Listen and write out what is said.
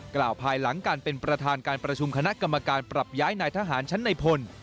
กล่าวภายหลังการเป็นประธานการประชุมคณะกรรมการปรับย้ายนายทหารชั้นในพล